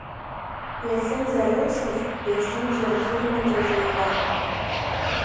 Иахьынӡарылшоз, иахьынӡарзырмаӡоз еилан.